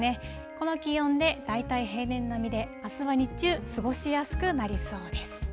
この気温で、大体平年並みで、あすは日中、過ごしやすくなりそうです。